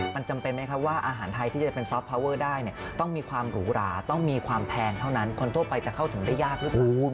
มันจำเป็นไหมครับว่าอาหารไทยที่จะเป็นซอฟพาวเวอร์ได้ต้องมีความหรูหราต้องมีความแพงเท่านั้นคนทั่วไปจะเข้าถึงได้ยากหรือเปล่า